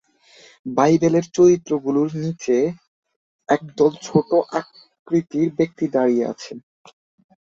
বাইবেলের চরিত্রগুলির নিচে একদল ছোট আকৃতির ব্যক্তি দাঁড়িয়ে আছে।